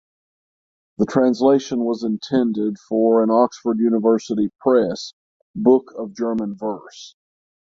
The translation was intended for an Oxford University Press book of German verse.